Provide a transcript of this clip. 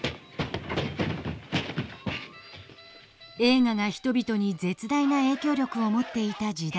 映画が人々に絶大な影響力を持っていた時代。